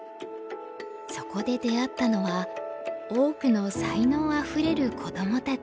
そこで出会ったのは多くの才能あふれる子どもたち。